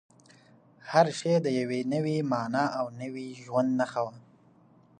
هر شی د یوې نوې مانا او نوي ژوند نښه وه.